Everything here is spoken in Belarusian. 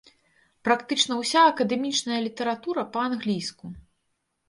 Практычна ўся акадэмічная літаратура па-англійску.